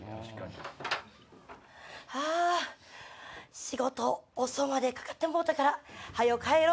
ハァ仕事遅うまでかかってもうたからはよ帰ろ！